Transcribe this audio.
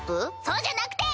そうじゃなくて！